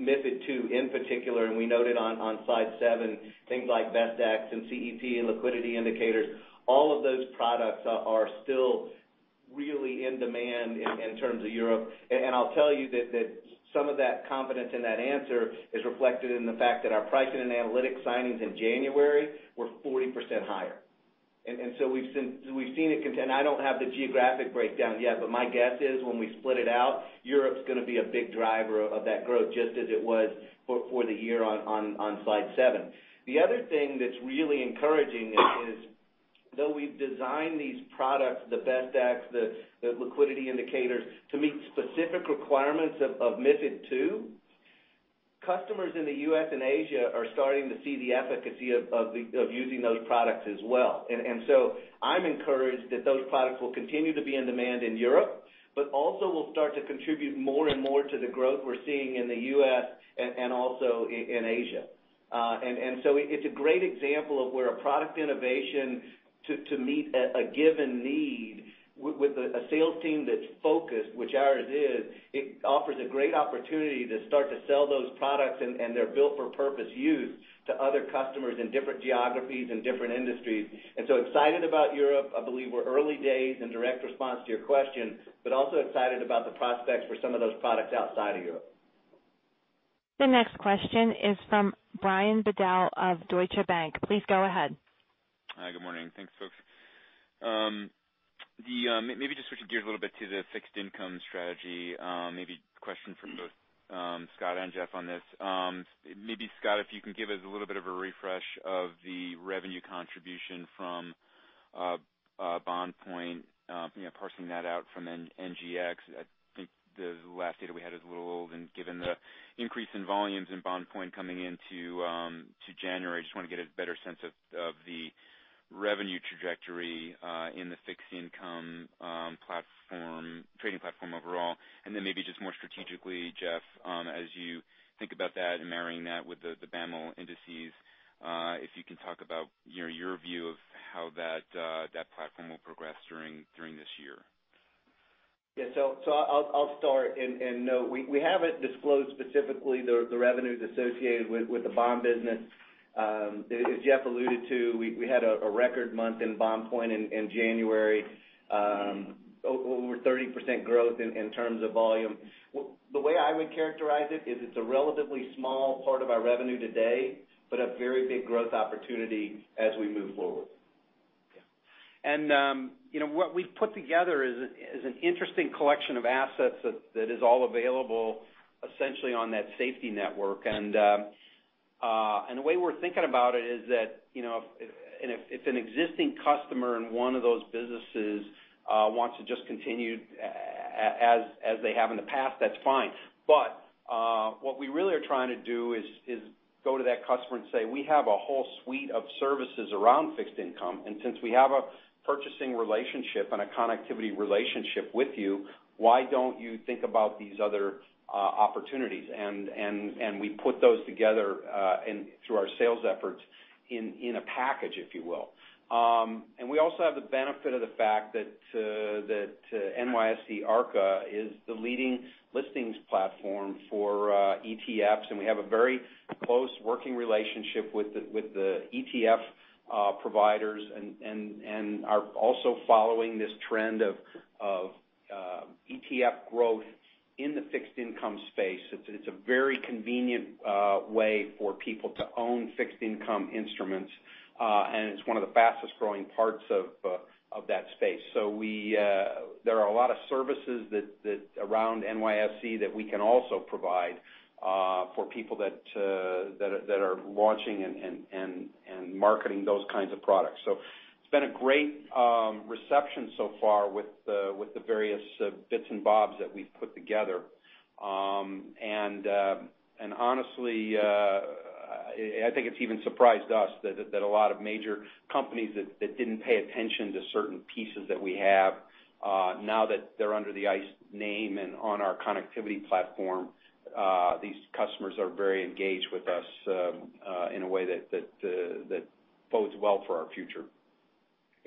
MiFID II in particular, and we noted on slide seven, things like Best Ex and CEP and liquidity indicators, all of those products are still really in demand in terms of Europe. I'll tell you that some of that confidence in that answer is reflected in the fact that our pricing and analytics signings in January were 40% higher. We've seen it. I don't have the geographic breakdown yet, but my guess is when we split it out, Europe's going to be a big driver of that growth, just as it was for the year on slide seven. The other thing that's really encouraging is, though we've designed these products, the Best Ex, the liquidity indicators, to meet specific requirements of MiFID II, customers in the U.S. and Asia are starting to see the efficacy of using those products as well. I'm encouraged that those products will continue to be in demand in Europe, but also will start to contribute more and more to the growth we're seeing in the U.S. and also in Asia. It's a great example of where a product innovation to meet a given need with a sales team that's focused, which ours is, it offers a great opportunity to start to sell those products, and they're built for purpose use to other customers in different geographies and different industries. Excited about Europe. I believe we're early days in direct response to your question, but also excited about the prospects for some of those products outside of Europe. The next question is from Brian Bedell of Deutsche Bank. Please go ahead. Hi, good morning. Thanks, folks. Maybe just switching gears a little bit to the fixed income strategy, maybe a question from both Scott and Jeff on this. Maybe Scott, if you can give us a little bit of a refresh of the revenue contribution from BondPoint, parsing that out from NGX. I think the last data we had is a little old, given the increase in volumes in BondPoint coming into January, just want to get a better sense of the revenue trajectory in the fixed income trading platform overall. Then maybe just more strategically, Jeff, as you think about that and marrying that with the BAML indices, if you can talk about your view of how that platform will progress during this year. Yeah. I'll start and note, we haven't disclosed specifically the revenues associated with the bond business. As Jeff alluded to, we had a record month in BondPoint in January, over 30% growth in terms of volume. The way I would characterize it is it's a relatively small part of our revenue today, but a very big growth opportunity as we move forward. Yeah. What we've put together is an interesting collection of assets that is all available essentially on that SFTI network. The way we're thinking about it is that, if an existing customer in one of those businesses wants to just continue as they have in the past, that's fine. What we really are trying to do is go to that customer and say, "We have a whole suite of services around fixed income, and since we have a purchasing relationship and a connectivity relationship with you, why don't you think about these other opportunities?" We put those together through our sales efforts in a package, if you will. We also have the benefit of the fact that NYSE Arca is the leading listings platform for ETFs, and we have a very close working relationship with the ETF providers and are also following this trend of ETF growth in the fixed income space. It's a very convenient way for people to own fixed income instruments, and it's one of the fastest-growing parts of that space. There are a lot of services around NYSE that we can also provide for people that are launching and marketing those kinds of products. It's been a great reception so far with the various bits and bobs that we've put together. Honestly, I think it's even surprised us that a lot of major companies that didn't pay attention to certain pieces that we have, now that they're under the ICE name and on our connectivity platform, these customers are very engaged with us in a way that bodes well for our future.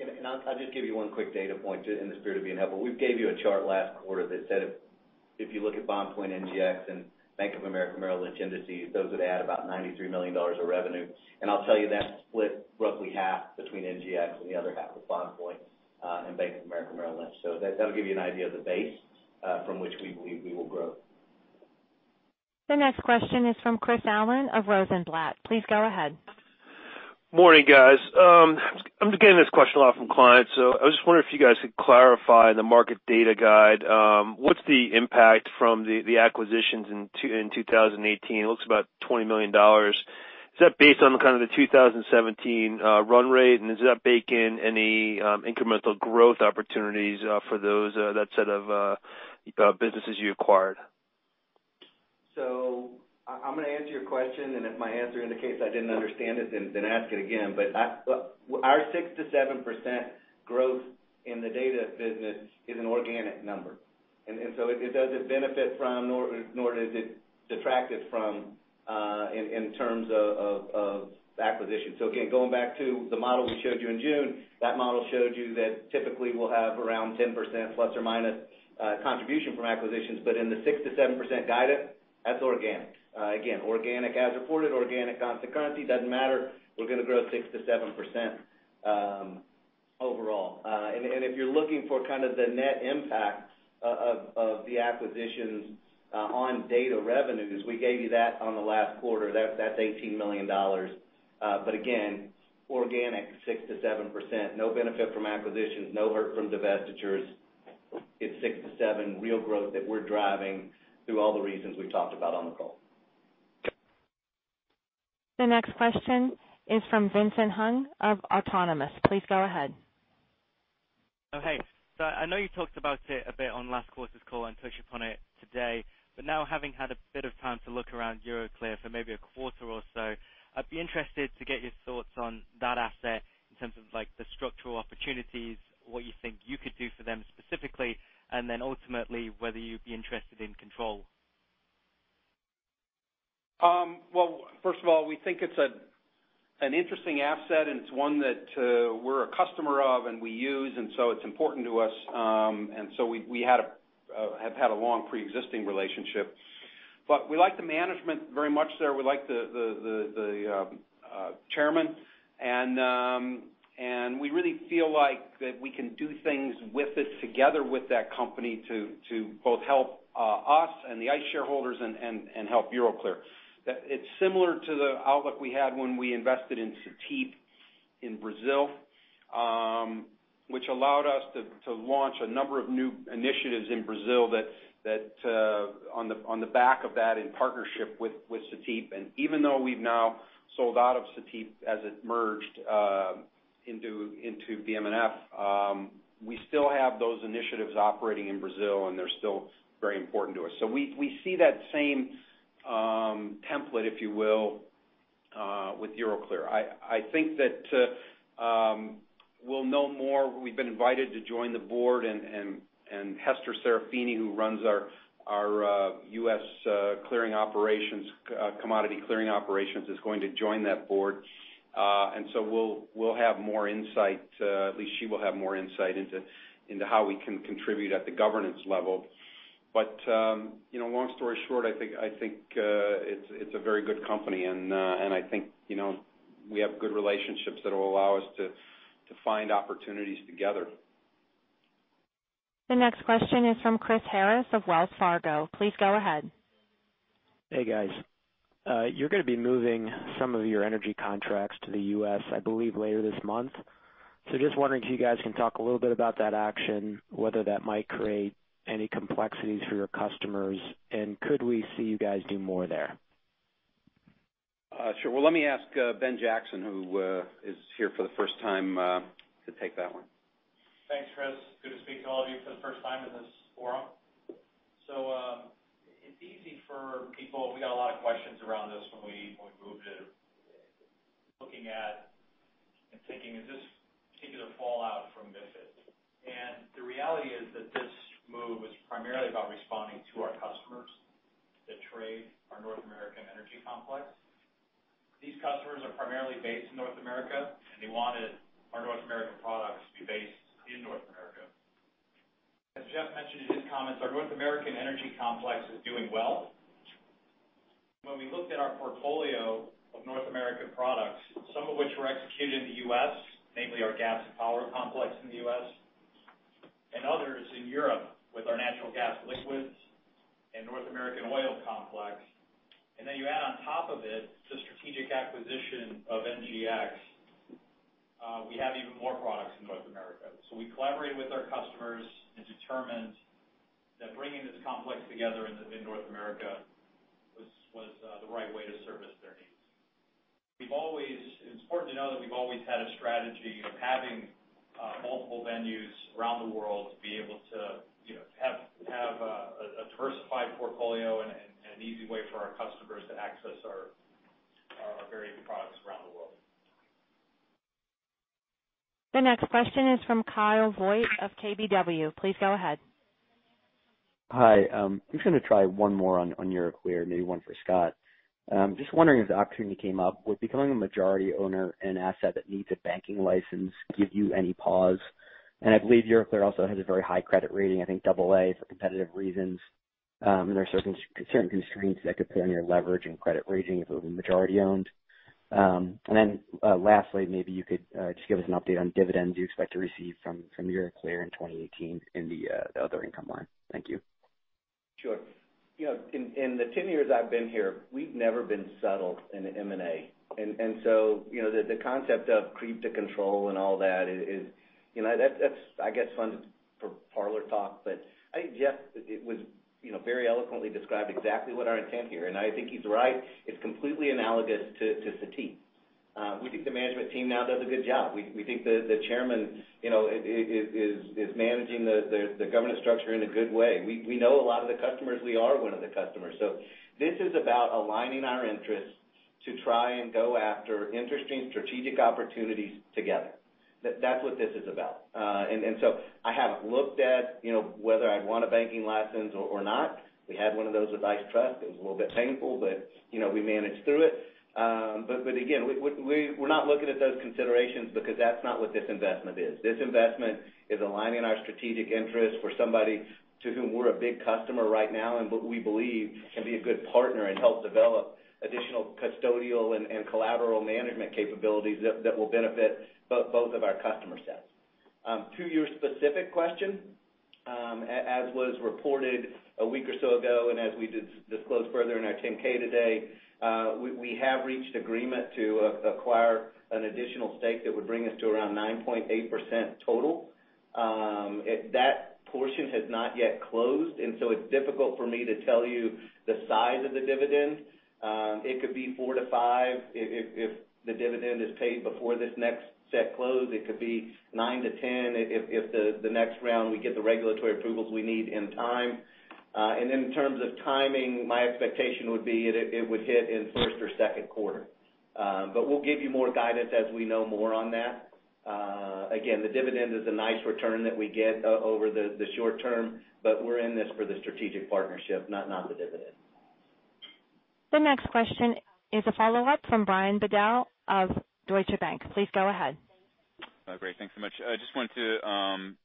I'll just give you one quick data point, in the spirit of being helpful. We gave you a chart last quarter that said if you look at BondPoint, NGX, and Bank of America Merrill Lynch Indices, those would add about $93 million of revenue. I'll tell you that split roughly half between NGX and the other half with BondPoint and Bank of America Merrill Lynch. That'll give you an idea of the base from which we believe we will grow. The next question is from Chris Allen of Rosenblatt. Please go ahead. Morning, guys. I'm getting this question a lot from clients, so I was just wondering if you guys could clarify the market data guide. What's the impact from the acquisitions in 2018? It looks about $20 million. Is that based on the kind of the 2017 run rate, and does that bake in any incremental growth opportunities for that set of businesses you acquired? I'm going to answer your question, and if my answer indicates I didn't understand it, ask it again. Our 6% to 7% growth in the data business is an organic number. It doesn't benefit from, nor does it detract it from in terms of acquisition. Again, going back to the model we showed you in June, that model showed you that typically we'll have around 10%, plus or minus, contribution from acquisitions. In the 6% to 7% guidance, that's organic. Again, organic as reported, organic on constant currency, doesn't matter. We're going to grow 6% to 7% overall. If you're looking for kind of the net impact of the acquisitions on data revenues, we gave you that on the last quarter. That's $18 million. Again, organic 6% to 7%. No benefit from acquisitions, no hurt from divestitures. It's 6% to 7% real growth that we're driving through all the reasons we've talked about on the call. The next question is from Vincent Hung of Autonomous. Please go ahead. Hey. I know you talked about it a bit on last quarter's call and touched upon it today, now having had a bit of time to look around Euroclear for maybe a quarter or so, I'd be interested to get your thoughts on that asset in terms of the structural opportunities, what you think you could do for them specifically, ultimately, whether you'd be interested in control. First of all, we think it's an interesting asset, and it's one that we're a customer of and we use, it's important to us. We have had a long preexisting relationship. We like the management very much there. We like the chairman. We really feel like that we can do things with it together with that company to both help us and the ICE shareholders and help Euroclear. It's similar to the outlook we had when we invested in Cetip in Brazil, which allowed us to launch a number of new initiatives in Brazil on the back of that in partnership with Cetip. Even though we've now sold out of Cetip as it merged into BM&FBOVESPA, we still have those initiatives operating in Brazil, and they're still very important to us. We see that same template, if you will, with Euroclear. I think that we'll know more. We've been invited to join the board, and Hester Serafini, who runs our U.S. commodity clearing operations, is going to join that board. We'll have more insight, at least she will have more insight, into how we can contribute at the governance level. Long story short, I think it's a very good company, and I think we have good relationships that will allow us to find opportunities together. The next question is from Chris Harris of Wells Fargo. Please go ahead. Hey, guys. You're going to be moving some of your energy contracts to the U.S., I believe, later this month. Just wondering if you guys can talk a little bit about that action, whether that might create any complexities for your customers, and could we see you guys do more there? Sure. Well, let me ask Ben Jackson, who is here for the first time, to take that one. Thanks, Chris. Good to speak to all of you for the first time in this forum. It's easy for people, we got a lot of questions around this when we moved it, looking at and thinking, is this particular fallout from MiFID? The reality is that this move was primarily about responding to our customers that trade our North American energy complex. These customers are primarily based in North America, and they wanted our North American products to be based in North America. As Jeff mentioned in his comments, our North American energy complex is doing well. When we looked at our portfolio of North American products, some of which were executed in the U.S., namely our gas and power complex in the U.S., and others in Europe with our natural gas liquids and North American oil complex, and then you add on top of it the strategic acquisition of NGX, we have even more products in North America. We collaborated with our customers and determined that bringing this complex together in North America was the right way to service their needs. It's important to know that we've always had a strategy of having multiple venues around the world to be able to have a diversified portfolio and an easy way for our customers to access our varied products around the world. The next question is from Kyle Voigt of KBW. Please go ahead. Hi. I'm just going to try one more on Euroclear, maybe one for Scott. Just wondering if the opportunity came up, would becoming a majority owner in an asset that needs a banking license give you any pause? I believe Euroclear also has a very high credit rating, I think AA, for competitive reasons. There are certain constraints that could put on your leverage and credit rating if it was majority-owned. Lastly, maybe you could just give us an update on dividends you expect to receive from Euroclear in 2018 in the other income line. Thank you. Sure. In the 10 years I've been here, we've never been subtle in M&A. The concept of creep to control and all that is, that's, I guess, fun for parlor talk, but Jeff very eloquently described exactly what our intent here is, and I think he's right. It's completely analogous to Cetip. We think the management team now does a good job. We think the chairman is managing the governance structure in a good way. We know a lot of the customers. We are one of the customers. This is about aligning our interests to try and go after interesting strategic opportunities together. That's what this is about. I haven't looked at whether I'd want a banking license or not. We had one of those with ICE Trust. It was a little bit painful, but we managed through it. Again, we're not looking at those considerations because that's not what this investment is. This investment is aligning our strategic interest for somebody to whom we're a big customer right now, and what we believe can be a good partner and help develop additional custodial and collateral management capabilities that will benefit both of our customer sets. To your specific question, as was reported a week or so ago, as we disclosed further in our 10-K today, we have reached agreement to acquire an additional stake that would bring us to around 9.8% total. That portion has not yet closed, so it's difficult for me to tell you the size of the dividend. It could be $4 to $5, if the dividend is paid before this next set close. It could be $9 to $10 if the next round, we get the regulatory approvals we need in time. In terms of timing, my expectation would be it would hit in first or second quarter. We'll give you more guidance as we know more on that. Again, the dividend is a nice return that we get over the short term, but we're in this for the strategic partnership, not the dividend. The next question is a follow-up from Brian Bedell of Deutsche Bank. Please go ahead. Great. Thanks so much. I just wanted to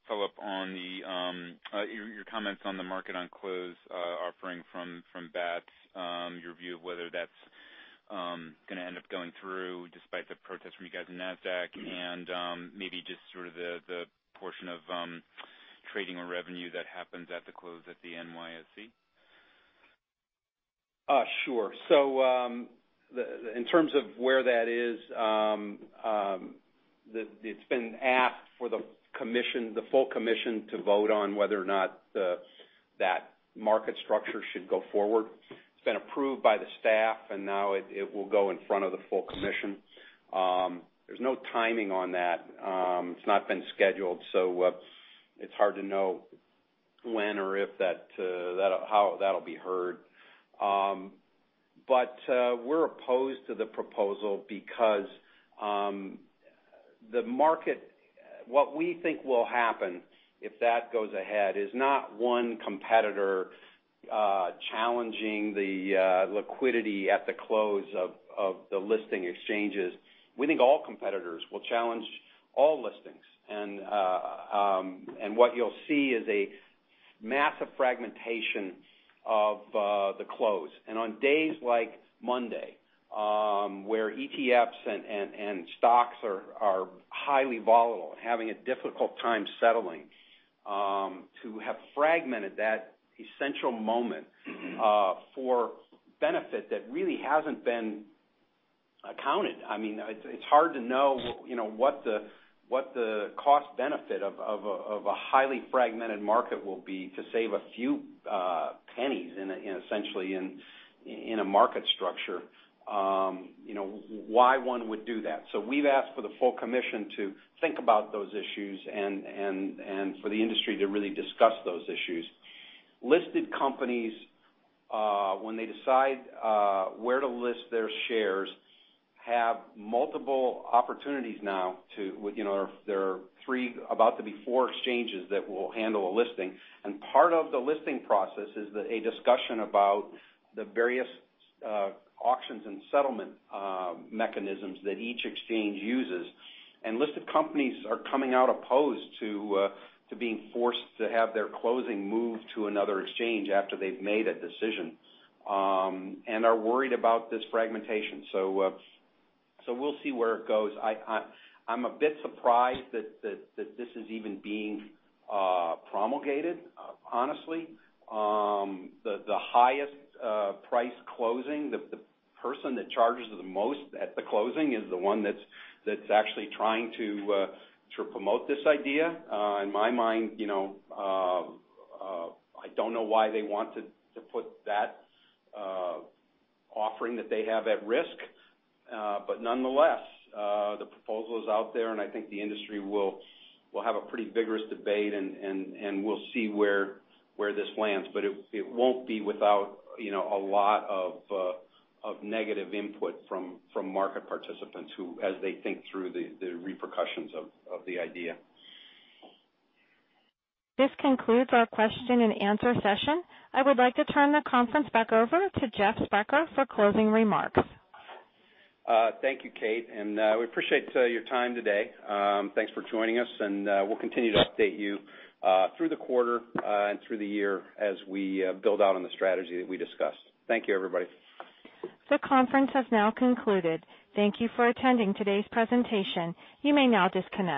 follow up on your comments on the Market-On-Close offering from Bats, your view of whether that's going to end up going through despite the protests from you guys and Nasdaq, maybe just sort of the portion of trading or revenue that happens at the close at the NYSE. In terms of where that is, it's been asked for the full commission to vote on whether or not that market structure should go forward. It's been approved by the staff, now it will go in front of the full commission. There's no timing on that. It's not been scheduled, so it's hard to know when or how that'll be heard. We're opposed to the proposal because what we think will happen if that goes ahead is not one competitor challenging the liquidity at the close of the listing exchanges. We think all competitors will challenge all listings. What you'll see is a massive fragmentation of the close. On days like Monday, where ETFs and stocks are highly volatile and having a difficult time settling, to have fragmented that essential moment for benefit that really hasn't been accounted. It's hard to know what the cost benefit of a highly fragmented market will be to save a few pennies essentially in a market structure. Why one would do that? We've asked for the full commission to think about those issues and for the industry to really discuss those issues. Listed companies, when they decide where to list their shares, have multiple opportunities now. There are three, about to be four exchanges that will handle a listing. Part of the listing process is a discussion about the various auctions and settlement mechanisms that each exchange uses. Listed companies are coming out opposed to being forced to have their closing moved to another exchange after they've made a decision, and are worried about this fragmentation. We'll see where it goes. I'm a bit surprised that this is even being promulgated, honestly. The highest price closing, the person that charges the most at the closing is the one that's actually trying to promote this idea. In my mind, I don't know why they want to put that offering that they have at risk. Nonetheless, the proposal is out there. I think the industry will have a pretty vigorous debate. We'll see where this lands. It won't be without a lot of negative input from market participants who, as they think through the repercussions of the idea. This concludes our question and answer session. I would like to turn the conference back over to Jeff Sprecher for closing remarks. Thank you, Kate. We appreciate your time today. Thanks for joining us. We'll continue to update you through the quarter and through the year as we build out on the strategy that we discussed. Thank you, everybody. The conference has now concluded. Thank you for attending today's presentation. You may now disconnect.